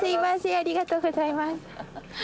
ありがとうございます。